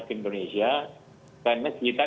ke indonesia karena kita